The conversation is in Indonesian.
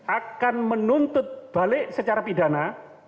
akan menuntut balik secara pidana